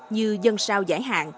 như dân sao giải hạn